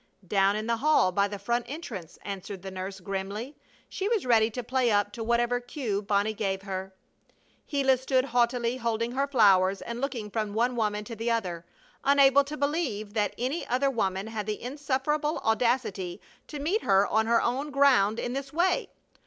"Down in the hall by the front entrance," answered the nurse, grimly. She was ready to play up to whatever cue Bonnie gave her. Gila stood haughtily holding her flowers and looking from one woman to the other, unable to believe that any other woman had the insufferable audacity to meet her on her own ground in this way.